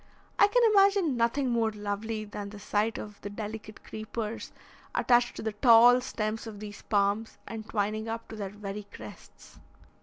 I can imagine nothing more lovely than the sight of the delicate creepers attached to the tall stems of these palms and twining up to their very crests.